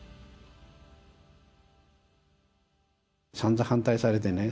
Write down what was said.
さんざん反対されてね